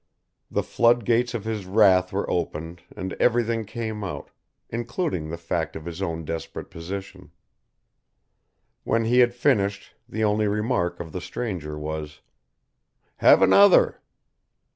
The flood gates of his wrath were opened and everything came out, including the fact of his own desperate position. When he had finished the only remark of the stranger was: "Have another."